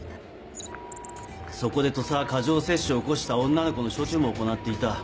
そこで土佐は過剰摂取を起こした女の子の処置も行っていた。